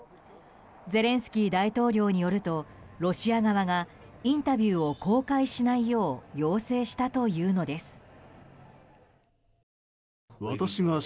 ゼレンスキー大統領によるとロシア側がインタビューを公開しないよう要請したというのです。